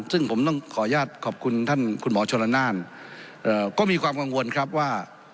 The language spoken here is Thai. ซึ่งผมต้องขออนุญาตขอบคุณท่านคุณหมอชนละนานก็มีความกังวลครับว่า